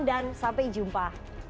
dan sampai jumpa